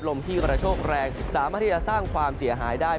ลมที่กระโชคแรงสามารถที่จะสร้างความเสียหายได้